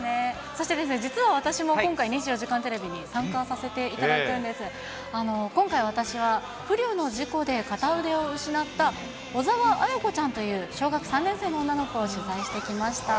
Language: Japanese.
そして実は私も、今回、２４時間テレビに参加させていただくんです。今回私は、不慮の事故で片腕を失った小澤絢子ちゃんという小学３年生の女の子を取材してきました。